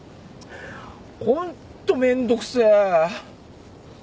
ホントめんどくせえ。